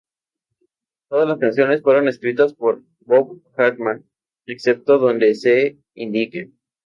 Todas las canciones fueron escritas por Bob Hartman, excepto donde se indique.